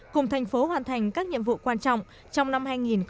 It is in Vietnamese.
cùng thành phố hoàn thành các nhiệm vụ quan trọng trong năm hai nghìn một mươi tám